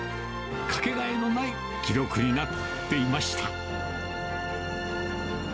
かけがえのない記録になっていました。